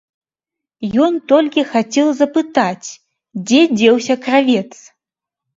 Ён толькі хацеў запытаць, дзе дзеўся кравец.